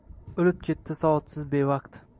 Oʻlib ketdi soatsiz bevaqt.